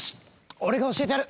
俺が教えてやる！